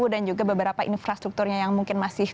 dan juga beberapa infrastrukturnya yang mungkin masih